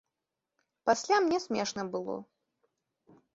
Пасля мне смешна было.